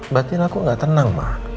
berarti aku gak tenang